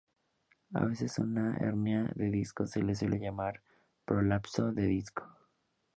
A veces a una hernia de disco se le suele llamar "prolapso de disco".